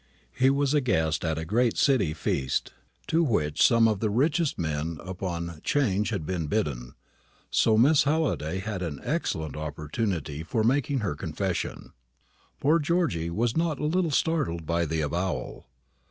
He was a guest at a great City feast, to which some of the richest men upon 'Change had been bidden; so Miss Halliday had an excellent opportunity for making her confession. Poor Georgy was not a little startled by the avowal.